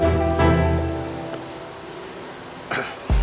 pikirin apa sih